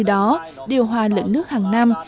từ đó điều hòa lượng nước hàng năm